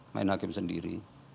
main hakim sendiri